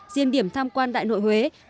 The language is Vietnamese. diện điểm tham quan đại nội huế